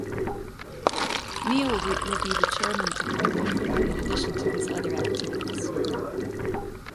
Neil will be chairman of the new company in addition to his other activities.